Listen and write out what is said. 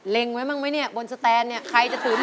เล็งไว้มั้งไว้เนี่ยบนแสตัรนเนี่ยใครจะถือหมอน